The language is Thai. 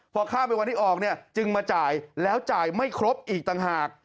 พอข้ามไปวันที่ออกเนี่ยจึงมาจ่ายแล้วจ่ายไม่ครบอีกต่างหาก